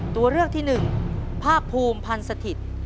ตัวเลือกที่หนึ่งภาคภูมิพันธ์สถิตย์